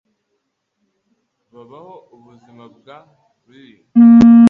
babaho ubuzima bwa Riley